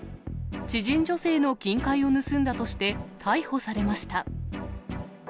知人女性の金塊を盗んだとして逮捕されました。